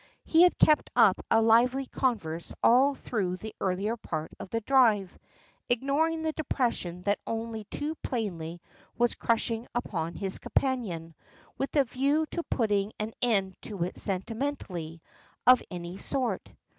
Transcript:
He had kept up a lively converse all through the earlier part of their drive, ignoring the depression that only too plainly was crushing upon his companion, with a view to putting an end to sentimentality of any sort.